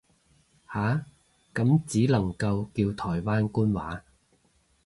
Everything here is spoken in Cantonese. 下，咁只能夠叫台灣官話